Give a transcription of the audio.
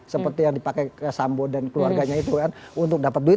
seperti yang dipakai sambo dan keluarganya itu kan untuk dapat duit